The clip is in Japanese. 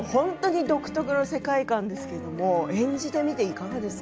独特の世界観ですけれど演じてみていかがでした？